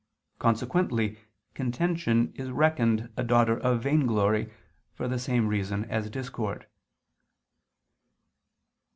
Consequently contention is reckoned a daughter of vainglory for the same reason as discord.